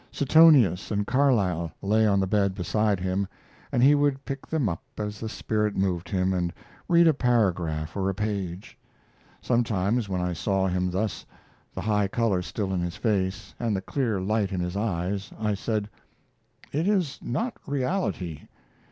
Suetonius and Carlyle lay on the bed beside him, and he would pick them up as the spirit moved him and read a paragraph or a page. Sometimes, when I saw him thus the high color still in his face, and the clear light in his eyes I said: "It is not reality.